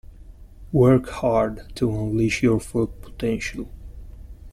Work hard to unleash your full potential.